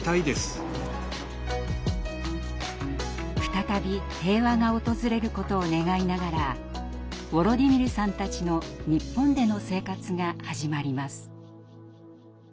再び平和が訪れることを願いながらウォロディミルさんたちの日本での生活が始まります。